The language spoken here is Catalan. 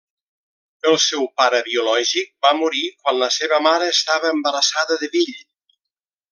El seu pare biològic va morir quan la seva mare estava embarassada de Bill.